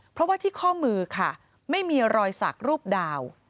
เพราะว่าที่ข้อมือค่ะไม่มีรอยสักรูปดาว